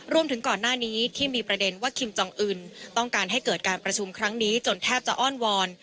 รวมถึงก่อนหน้านี้ที่มีประเด็นว่าคิมจองอื่นต้องการให้เกิดการประชุมครั้งนี้จนแทบจะอ้อนวอน